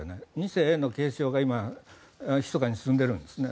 ２世への継承が今ひそかに進んでいるんですね。